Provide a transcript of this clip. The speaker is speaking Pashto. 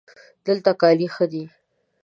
دلته کالي ښه دي